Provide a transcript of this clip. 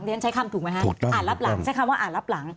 ฉันใช้คำถูกไหมฮะอ่านรับหลังใช้คำว่าอ่านรับหลัง